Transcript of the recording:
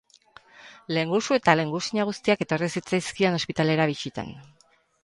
Lehengusu eta lehengusina guztiak etorri zitzaizkion ospitalera bisitan.